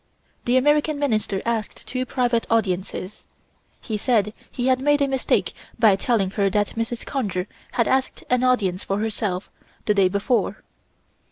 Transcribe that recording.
The American Minister asked two private audiences. He said he had made a mistake by telling her that Mrs. Conger had asked an audience for herself, the day before.